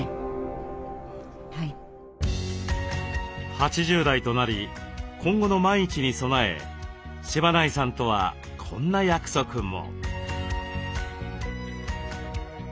８０代となり今後の万一に備え柴内さんとはこんな約束も。